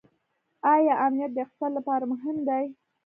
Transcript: آیا امنیت د اقتصاد لپاره مهم دی؟